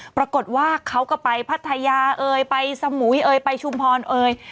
ปรากฏว่าเขาก็ไปพัทยาเอ่ยไปสมุยเอ่ยไปชุมพรเอ่ย